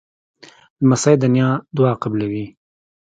لمسی د نیا دعا قبلوي.